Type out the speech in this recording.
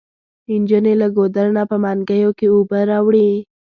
انجونې له ګودر نه په منګيو کې اوبه راوړي.